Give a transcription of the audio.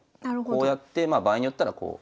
こうやってまあ場合によったらこう。